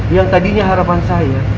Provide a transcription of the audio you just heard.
yang tadinya harapan saya